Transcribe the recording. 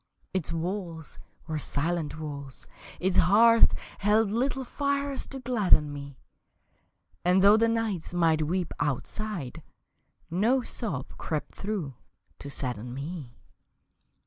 Its walls were silent walls; its hearth Held little fires to gladden me And though the nights might weep outside No sob crept through to sadden me.